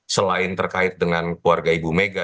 selain terkait dengan keluarga ibu mega